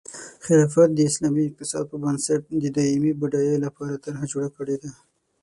خلافت د اسلامي اقتصاد په بنسټ د دایمي بډایۍ لپاره طرحه جوړه کړې ده.